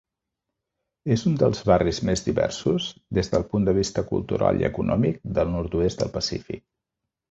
És un dels barris més diversos des del punt de vista cultural i econòmic del nord-oest del Pacífic.